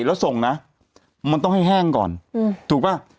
แต่หนูจะเอากับน้องเขามาแต่ว่า